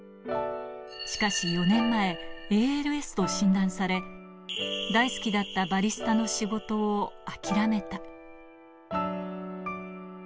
しかし４年前、ＡＬＳと診断され、大好きだったバリスタの仕事を諦めた。